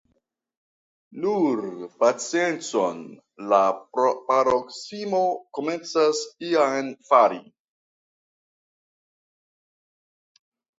Nur paciencon, la paroksismo komencas jam fali.